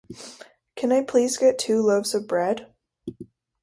Can I please get two loaves of bread?